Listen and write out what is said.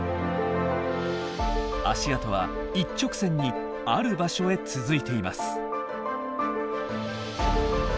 足跡は一直線にある場所へ続いています。